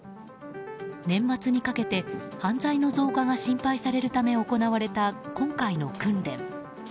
年末にかけて、犯罪の増加が心配されるため行われた今回の訓練。